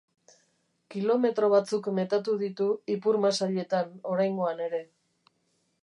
Kilometro batzuk metatu ditu ipurmasailetan oraingoan ere.